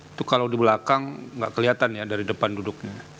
itu kalau di belakang nggak kelihatan ya dari depan duduknya